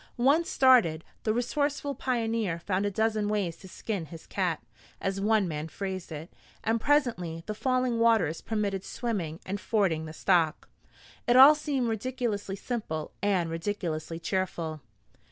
Once started, the resourceful pioneer found a dozen ways to skin his cat, as one man phrased it, and presently the falling waters permitted swimming and fording the stock. It all seemed ridiculously simple and ridiculously cheerful.